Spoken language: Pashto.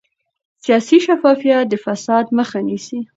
سیاسي شفافیت د فساد مخه نیسي